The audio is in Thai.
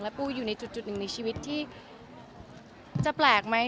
ปูอยู่ในจุดหนึ่งในชีวิตที่จะแปลกไหม